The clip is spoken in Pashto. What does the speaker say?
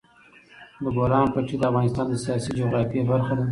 د بولان پټي د افغانستان د سیاسي جغرافیه برخه ده.